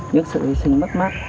những sự hi sinh mất mát